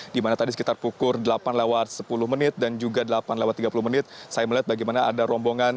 dimana tadi sekitar pukul delapan sepuluh dan juga delapan tiga puluh saya melihat bagaimana ada rombongan